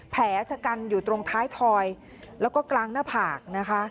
แผลชะกันอยู่ตรงท้ายถอยแล้วก็กลางหน้าผากนะคะ